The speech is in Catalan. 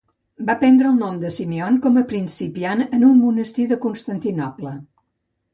Va prendre el nom de Simeon com a principiant en un monestir de Constantinoble.